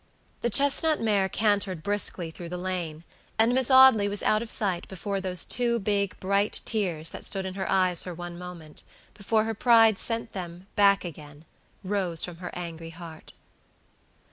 The chestnut mare cantered briskly through the lane, and Miss Audley was out of sight before those two big, bright tears that stood in her eyes for one moment, before her pride sent them, back again, rose from her angry heart.